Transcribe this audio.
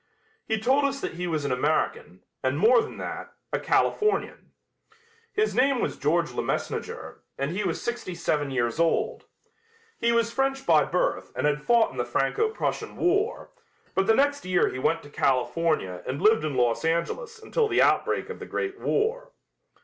He told us that he was an American, and more than that, a Californian. His name was George La Messneger and he was sixty seven years old. He was French by birth and had fought in the Franco Prussian war, but the next year he went to California and lived in Los Angeles until the outbreak of the great war.